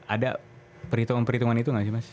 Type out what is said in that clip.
ada perhitungan perhitungan itu nggak sih mas